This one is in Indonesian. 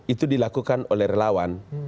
itu dilakukan oleh relawan